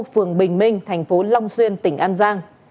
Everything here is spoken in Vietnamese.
phường bình minh tp long xuyên tỉnh an giang